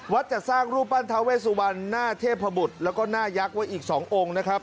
จะสร้างรูปปั้นทาเวสุวรรณหน้าเทพบุตรแล้วก็หน้ายักษ์ไว้อีก๒องค์นะครับ